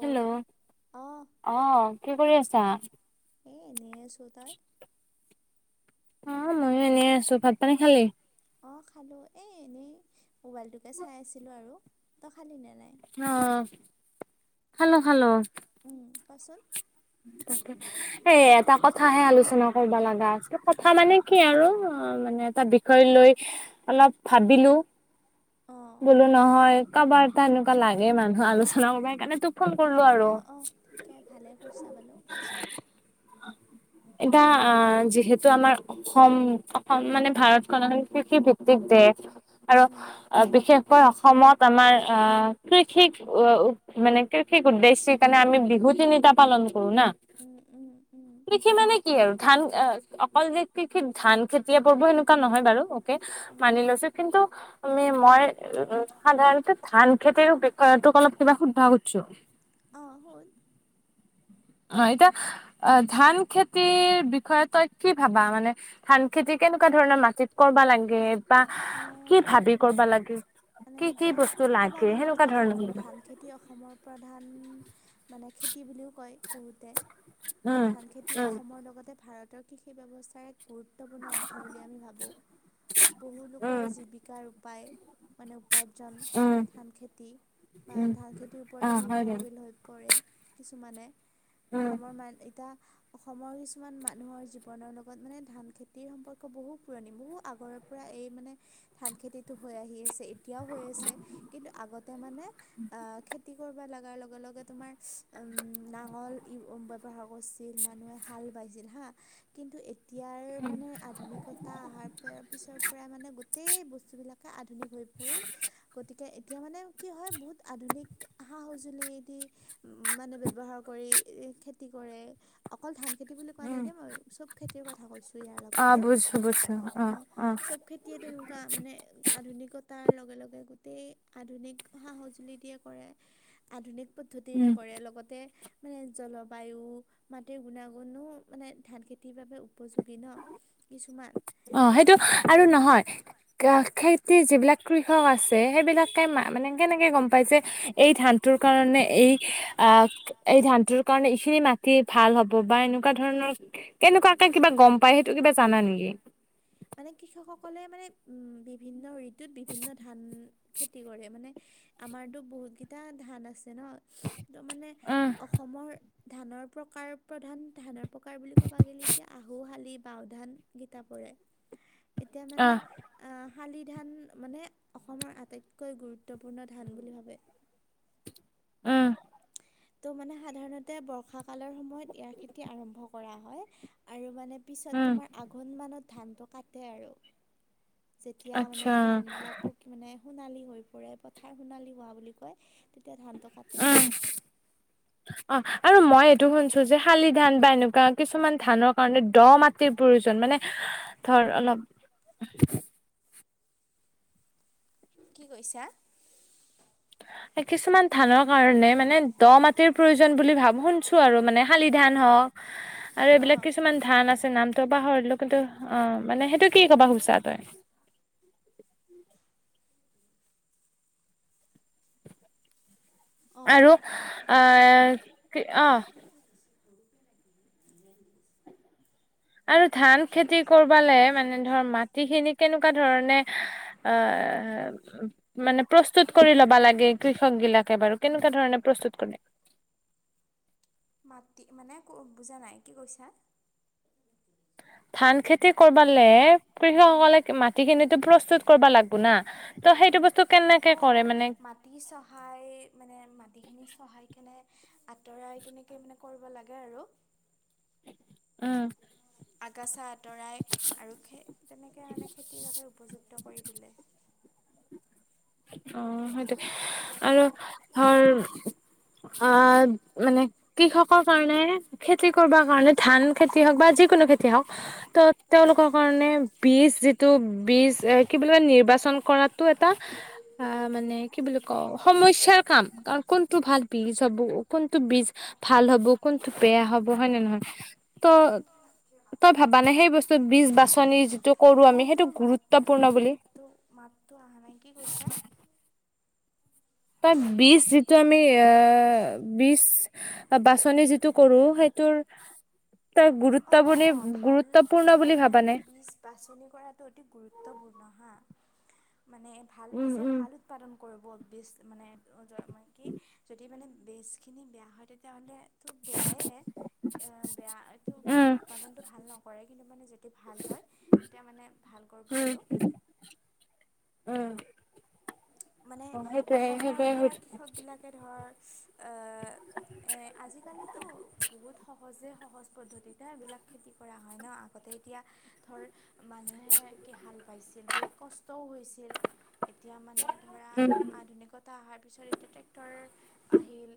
Hello অ'হ কি কৰি আছা? এ এনেই আছোঁ। তই? অ', মইয়ো এনেই আছোঁ। ভাত পানী খালি? অহ, খালোঁ। এই এনেই মোবাইলটোকে চাই আছিলোঁ আৰু। তই খালিনে নাই? অহ, খালোঁ খালোঁ। উম, কচোন। তাকে, এ এটা কথাহে আলোচনা কৰিব লগা আছিল, কথা মানে কি আৰু। অহ, মানে এটা বিষয় লৈ অলপ ভাবিলোঁ। বোলো নহয়, কাবা এটা এনেকুৱা লাগে মানুহ আলোচনা কৰিব কাৰণে তোক ফোন কৰলোঁ আৰু। এতিয়া আহ, যিহেতু আমাৰ অসম-অসম মানে ভাৰতখনত কৃষি ভিত্তিক দেশ আৰু বিশেষকৈ অসমত আমাৰ অহ কৃষিক মানে কৃ সেইক উদ্দেশ্য সেইকাৰণে আমি বিহু তিনিটা পালন কৰো না। উম', উম'। উম', উম'। কৃষি মানে কি আৰু ধান অ অকল যে কৃষিত ধান খেতিয়ে পৰবোঁ সেনেকুৱা নহয় বাৰু অকে, মানি লৈছো কিন্তু তুমি মই উম, সাধাৰণতে ধান খেতিৰ বিষয়ত অলপ কিবা সোধবা খুজছোঁ। অ', সুধ। অহ, এতিয়া অহ ধান খেতিৰ বিষয়ে তই কি ভাবা মানে ধান খেতি কেনেকুৱা ধৰণৰ মাটিত কৰিবা লাগে বা কি ভাবি কৰিবা লাগে? মানে এতিয়া ক'বা গে'লিতো আম ধান খেতি খেতি অসমৰ প্ৰধান মানে খেতি বুলিও কয় বহুতে। এতিয়া ধান খেতি অসমৰ লগতে ভাৰতৰ কৃষি ব্যৱস্থাৰ এক গুৰুত্ব গুৰুত্বপূৰ্ণ অংশ বুলি আমি ভাবোঁ। বহুলোকৰ জীৱিকাৰ উপায় মানে জন, ধান খেতি বা ধান খেতিৰ ওপৰতে নিৰ্ভৰশীল হৈ পৰে। কিছুমানে, অসমৰ মান এতিয়া অসমৰ কিছুমান মানুহৰ জীৱনৰ লগত মানে ধান খেতিৰ সম্পৰ্ক পুৰণি বহু আগৰ পুৰা এই মানে ধান খেতিটো হৈ আহি আছে। এ এতিয়াও হৈ আছে কিন্তু আগতে মানে আহ, খে খেতি কৰিবা লগাৰ লগে লগে তোমাৰ উম নাঙল ব্যৱহাৰ কৰিছিল মানুহে হাল বায়ছিল হা! কিন্তু এতিয়াৰ মানে আধুনিকতা অহাৰ পিছৰ পৰা মানে গো গোটেই বস্তুবিলাকে আধুনিক হৈ পৰিল গতি এতিয়া মানে কি হয় বহুত আধুনিক সা-সঁজুলি দি উম, মানে ব্যৱহাৰ কৰি খেতি কৰে। অকল ধান খেতি বুলি কোৱা নাই দেই মই, চব খেতিৰ কথা কৈছোঁ। আৰু ইয়াৰ লগতে অ' চব খেতিয়ে তেনেকুৱা মানে আধুনিকত তাৰ লগে লগে গোটেই আধুনিক সা-সঁজুলি দিয়ে কৰে। আধুনিক পদ্ধতিৰে কৰে লগতে মানে জলবায়ু, মাটিৰ গুণাগুণো মানে ধান খেতিৰ বাবে উপযোগী ন'। কিছুমান। অহ, সেইটো আৰু নহয়। খেতিৰ যিবিলাক কৃষক আছে সেইবিলাকে মানে কেনেকে গম পায় যে এই ধানটোৰ কাৰণে এই আহ, এই ধানটোৰ কাৰণে এইখিনি মাটি ভাল হ'ব বা এনেকুৱা ধৰণৰ কেনেকুৱাকে কিবা গম পায়, সেইটো কিবা জানা নেকি? মানে কৃষকসকলে মানে উম বিভিন্ন ঋতুত বিভিন্ন ধান খেতি কৰে মানে আমাৰতো বহুত কেইটা ধান আছে ন ত মানে অস অসমৰ ধানৰ প্ৰকাৰ প্ৰধান ধানৰ প্ৰকাৰ বুলি ক'ব গে'লি এতিয়া আহুশালী বাওধান গীতা পৰে এতিয়া মানে অ শালি ধান মানে অসমৰ আটাইতকৈ গুৰুত্বপূৰ্ণ ধান বুলি ভাবে উম তো মানে সাধাৰণতে বৰ্ষাকালৰ সময়ত ইয়াৰ খেতি আৰম্ভ কৰা হয় আৰু মানে তাৰ পিছত তোমাৰ আঘোণমানানত ধানটো কাটে আৰু যেতিয়া মানে ধান বিলাক পকি কি মানে সোণালী হৈ পৰে পথাৰ সোণালী হোৱা বুলি কয় তেতিয়া ধানটো কাটে অ আৰু মই এইটো শুনছো যে শালি ধান বা এনেকুৱা কিছুমান ধানৰ কাৰণে দ মাটিৰ প্ৰয়োজন মানে ধৰ অলপ কি কৈছা কিছুমান ধানৰ কাৰণে মানে দ মাটিৰ প্ৰয়োজন বুলি ভ শুনছো আৰু মানে শালি ধান হওক আৰু এইবিলাক কিছুমান ধান আছে নামটো পাহৰিলো কিন্তু অ মানে সেইটো কি ক'বা খুজিচা তই আৰু কি অ [unintelligible] আৰু ধান খেতি কৰিবালে মানে ধৰ মাটি খিনিক কেনেকুৱা ধৰণে অ মানে প্ৰস্তুত কৰি ল'বা লাগে কৃষক বিলাকে বাৰু কেনেকুৱা ধৰণে প্ৰস্তুত কৰে মাটি মানে ক বুজা নাই কি কৈছা ধান খেতি কৰ্বলে কৃষকসকলে মাটি খিনিতো প্ৰস্তুত কৰিব লাগ না ত' সেইটো বস্তু কেনেকে কৰে মানে মাটি চহাই মানে মাটিখিনি চহাই কেনে আঁতৰাই তেনেকে মানে কৰিব লাগে আৰু উম আগাচা আঁতৰাই আৰু খে তেনেকে মানে খেতিৰ বাবে উপযুক্ত কৰি তোলে অ সেইটো আৰু ধৰ অ মানে কৃষকৰ কাৰণে খেতি কৰিব কাৰণে ধান খেতি হওক বা যিকোনো খেতি হওক ত তেওঁলোকৰ কাৰণে বিজ যিটো বিজ এ কি বুলি নিৰ্বাচন কৰাতো এটা অ মানে কি বুলি কওঁ সমস্যাৰ কাম কাৰণ কোনটো ভাল বীজ হব কোনটো বীজ ভাল হ'ব কোনটো বেয়া হব হয় নে নহয় ত তই ভাবানে সেই বস্তু বীজ বাচনি যিটো কৰো আমি সেইটো গুৰুত্ব তো মাতটো মাতটো অহা নাই কি কৈছা তাৰ বিজ যিটো আমি এ বীজ বাচনি যিটো কৰোঁ সেইটোৰ ত গুৰুত্বপূৰ্ণি গুৰুত্বপূৰ্ণ বুলি ভাবানে বাছনি কৰাটো অতি গুৰুত্বপূৰ্ণ হাঁ মানে ভাল বীজে ভাল উৎপাদন কৰিব বেচ মানে মানে কি যদি মানে বেজখিনি বেয়া হয় তেতিয়াহ'লে তো বেয়াই বেয়া তো মানে উৎপাদনটো ভাল নকৰে কিন্তু মানে যদি ভাল হয় তেতিয়া মানে ভাল কৰিব আৰু উম মানে অসমৰ এতিয়া কৃষকবিলাকে ধৰ আহ, এ আজিকালিতো বহুত সহ সহজে সহজ পদ্ধতিতে এইবিলাক খেতি কৰা হয় ন' আগতে এতিয়া ধৰ মানুহে কি হাল বাইছিল বহুত কষ্টও হৈছিল এতিয়া ম ধৰা আধুনিকতা অহাৰ পিছত এতিয়া ট্ৰেক্টৰ আহিল।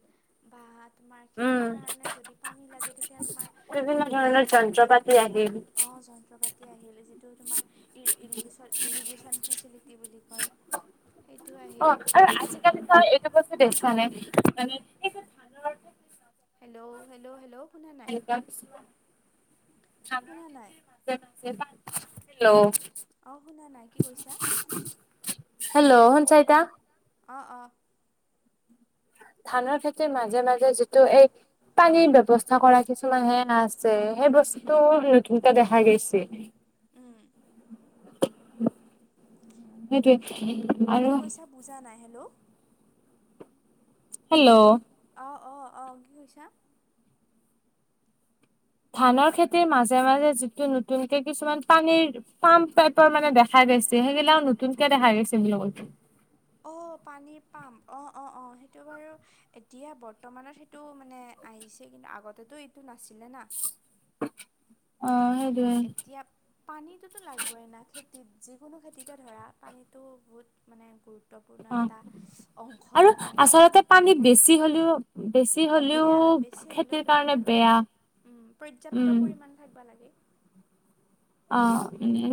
বা তোমাৰ খেতিৰ কাৰণে যদি পানী লাগে তেতিয়া তোমাৰ আধুনিকতাৰ যিটো [unintelligible] অ', যন্ত্ৰ-পাতি আহিল যিটো তোমাৰ ই-ইংলিছত ইৰিগেশ্যন ফেচিলিটি বুলি কয়। সেইটো আহিল। আৰু আজিকালি তই এইটো বস্তু দেখ নে মানে সেই হেল্ল' হেল্ল' হেল্ল'? [unintelligible] হেল্ল' শুনিছা এতিয়া? অ', অ'। ধানৰ খেতিৰ মাজে মাজে যিটো এই পানীৰ ব্য্ৱস্থা কৰা কিছুমান হে আছে সেই বস্তু নতুন কে দেখা গৈছে। উম। [inaudible] কি কৈছা বুজা নাই হেল্ল'? হেল্ল'? অ', অ', অ', কি কৈছা? ধানৰ খেতিৰ মাজে মাজে যিটো নতুনকে কিছুমান পানীৰ পাম্প টাইপৰ মানে দেখা দেখাই গৈছে সেইগিলাও নতুনকে দেখা গৈছে বুলি কৈছোঁ। অ', পানীৰ পাম্প অ', অ', অ', সেইটো বাৰু এতিয়া বৰ্তমানত সেইটো মানে আহিছে কিন্তু আগতেতো এইটো নাছিলে না। অহ, সেই এতিয়া পানীটোতো লাগবই না খেতিত যিকোনো খেতিতে ধৰা পানীটো বহুত মানে গুৰুত্বপূৰ্ণ এটা অংশ অংশ বুলি বেছি হ'লেও অ', বেয়া বেছি হ'লেও বেয়া বাৰু পৰ্যাপ্ত পৰিমাণ থাকিবা লাগে। অ',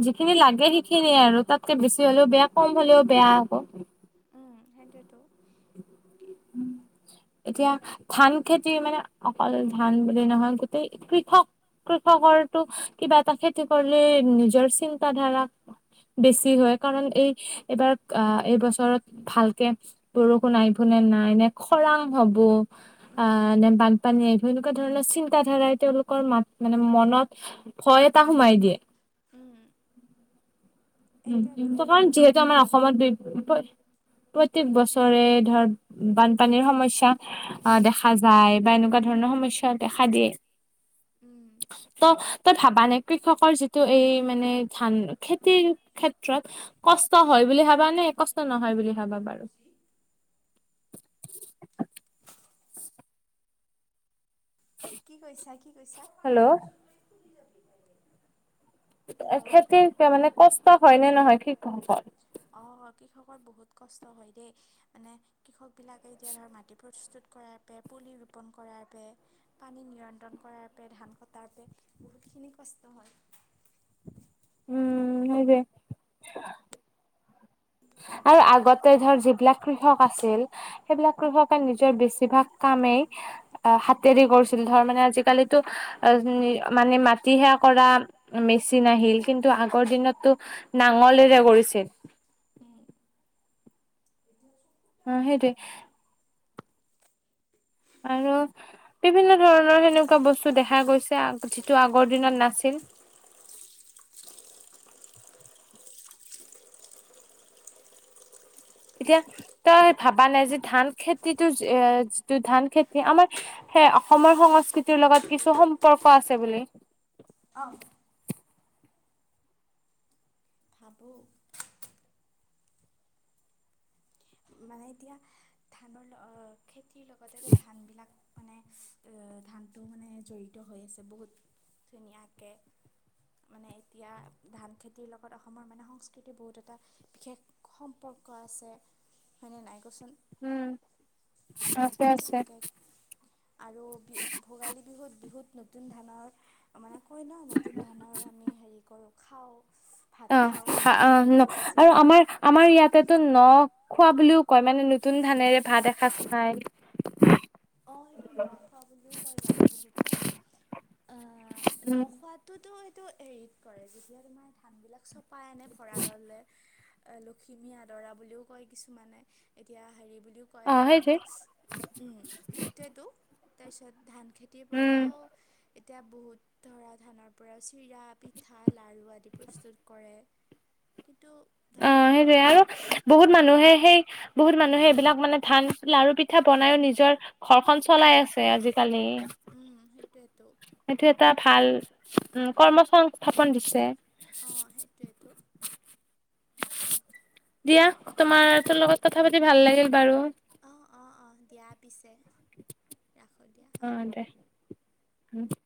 যিখিনি লাগে সেইখিনিয়ে আৰু তাতকে বেছি হ'লেও বেয়া কম হ'লেও বেয়া আকৌ। উম, সেইটোৱেইটো। এতিয়া ধান খেতি মানে অকল ধান বুলি নহয় কৃষক কৃষকৰটো কিবা এটা খেতি কৰিলে নিজৰ চিন্তাাধাৰা বেছি হয়, কাৰণ এই এবাৰ অ', এই বছৰত ভালকে বৰষুণ আইব নে নাই নে খৰাং হ'ব। অ', নে বানপানীয়ে এই এনেকুৱা ধৰণৰ চিন্ত ধাৰাই তেওঁলোকৰ মাত মানে মনত ভয় উম। উ, ত' কাৰণ যিহেতু আমাৰ অসমত বি প্ৰত্যেক বছৰে ধৰ বানপানীৰ সমস্যা দেখা পোৱা যায় বা এনেকুৱা ধৰণৰ সমস্যা দেখা দিয়ে। উম। ত' তই ভাবা নে কৃষকৰ যিটো এই মানে ধান খেতিৰ ক্ষেত্ৰত কষ্ট হয় বুলি ভাবা নে কষ্ট নহয় বুলি ভাবা বাৰু? কি কৈছা কি কৈছা? খেতিৰ মানে কষ্ট হয়নে নহয় কৃষকৰ? অঁ' কৃষকৰ বহুত কষ্ট হয় দেই মানে কৃষকবিলাকে এতিয়া ধৰ মাটি প্ৰস্তুত কৰাৰ বাবে, পুলি ৰোপণ কৰাৰ বাবে- পানী নিয়ন্ত্ৰণ কৰাৰ বাবে, ধান কটাৰ বাবে বহুতখিনি কষ্ট হয়। [unintelligible] আৰু আগতে ধৰ যিবিলাক কৃষক আছিল সেইবিলাক কৃষকে নিজৰ বেছিভাগ- কামেই আহ' হাতেৰে কৰিছিল ধৰ মানে আজিকালিতো অ' মানে মা টিহা কৰা মেচিন আহিল কিন্তু আগৰ দিনতটো নাঙলেৰে কৰিছিল। উমঁ। [unintelligible] অঁ' সেইটোৱেই। আৰু বিভিন্ন ধৰণৰ সেনেকুৱা বস্তু দেখা গৈছে যিটো আগৰ দিনত নাছিল। এতিয়া তই ভাবা নাই যে ধান খেতিটো এ যিটো ধান খেতি আমাৰ- সে অসমৰ সংস্কৃতিৰ লগত কিছু সম্পৰ্ক আছে বুলি। অঁ'। ভাবোঁ। মানে এতিয়া ধানৰ খেতিৰ লগতেতো ধানবিলাক- মানে ধানটো মানে জড়িত হৈ আছে বহুত ধুনীয়াকৈ। মানে এতিয়া ধান খেতিৰ লগত অসমৰ মানে সংস্কৃতি বহুত এটা- বিশেষ সম্পৰ্ক আছে। হয়নে নাই কচোন? উমঁ'। [unintelligible] তেনেকৈ আৰু ভোগালী বিহুত বিহুত নতুন ধানৰ মানে- হয় ন' নতুন ধানৰ আমি হেৰি কৰোঁ খাওঁ। অঁ' অঁ' ন' আৰু আমাৰ- আমাৰ ইয়াতেতো ন খোৱা বুলিও কয় মানে নতুন ধানেৰে ভাত এসাঁজ খাই। [unintelligible] অঁ' সেইটো ন খোৱা বুলিও কয় বাৰু বহুতে। অঁ' ন খোৱাত- টোতো সেইটো সেৰিত কৰে যেতিয়া তোমাৰ ধানবিলাক চপাই আনে ভঁৰাল'লে- লখিমী আদৰা বুলিও কয় কিছুমানে, এতিয়া হেৰি বুলিও- কয় আৰু মানে উমঁ' সেইটোৱেটো, তাৰপিছত ধান- খেতিৰ পৰাও এতিয়া বহুত ধৰা ধানৰ- পৰা চিৰা, পিঠা লাৰু আদি প্ৰস্তুত কৰে। কিন্তু- অঁ' সেইটোয়ে আৰু বহুত মানুহে সেই- বহুত মানুহে এইবিলাক মানে ধান লাৰু পিঠা বনাইও নিজৰ- ঘৰখন চলাই আছে আজিকালি। সেইটো এটা ভাল কৰ্ম সংস্থাপন দিছে। অঁ' সেইটোৱেটো। দিয়া তোমাৰ তোৰ লগত কথা পাতি ভাল লাগিল বাৰু। অঁ' অঁ' অঁ' দিয়া পিছে। অঁ' দে উমঁ'।